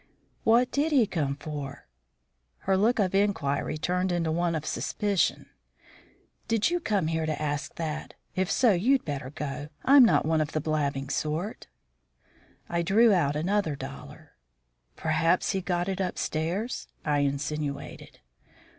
"What did he come for?" Her look of inquiry turned into one of suspicion. "Did you come here to ask that? If so, you'd better go. I'm not one of the blabbing sort." I drew out another dollar. "Perhaps he got it upstairs," I insinuated.